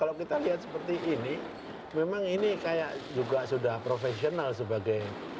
kalau kita lihat seperti ini memang ini kayak juga sudah profesional sebagai